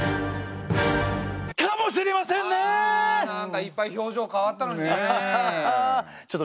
なんかいっぱい表情変わったのになあ。